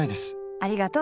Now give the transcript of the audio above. ありがとう。